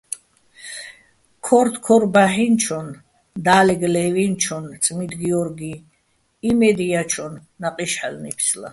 ქო́რთოქორბაჰ̦ინჩონ, და́ლეგ ლე́ვინჩონ წმიდგიორგიჼ იმედ ჲაჩონ ნაყი́შ ჰ̦ალო̆ ნიფსლა.